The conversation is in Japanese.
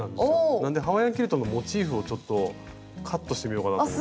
なんでハワイアンキルトのモチーフをちょっとカットしてみようかなと思って。